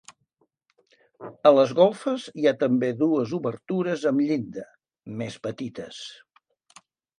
A les golfes hi ha també dues obertures amb llinda, més petites.